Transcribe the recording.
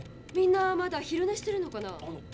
みんなまだ昼寝してるのかな。